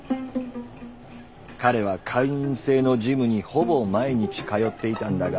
彼は会員制のジムにほぼ毎日通っていたんだが。